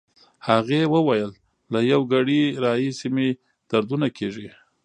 هغې وویل: له یو ګړی راهیسې مې دردونه کېږي.